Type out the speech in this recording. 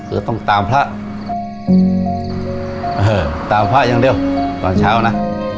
คือต้องตามพระตามพระอย่างเดียวตอนเช้านะ